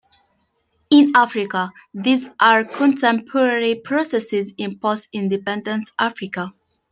In Africa, these are contemporary processes in post-independence Africa.